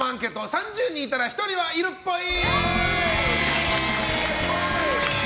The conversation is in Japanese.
３０人いたら１人はいるっぽい！